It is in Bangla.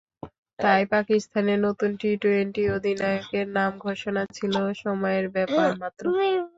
তাই পাকিস্তানের নতুন টি-টোয়েন্টি অধিনায়কের নাম ঘোষণা ছিল সময়ের ব্যাপার মাত্র।